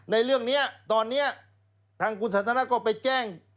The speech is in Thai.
ในเรื่องนี้ตอนนี้ทางคุณสันทนาก็ไปแจ้ง